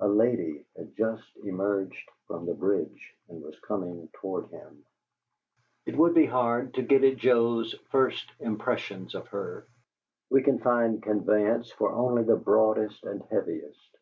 A lady had just emerged from the bridge and was coming toward him. It would be hard to get at Joe's first impressions of her. We can find conveyance for only the broadest and heaviest.